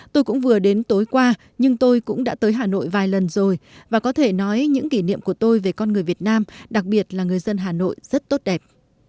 tôi cũng vừa đến tối qua nhưng tôi cũng đã tới hà nội vài lần rồi và có thể nói những kỷ niệm của tôi về con người việt nam đặc biệt là người dân hà nội rất tốt đẹp